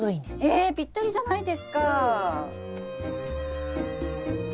えぴったりじゃないですか！